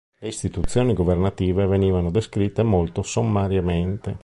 Le istituzioni governative venivano descritte molto sommariamente.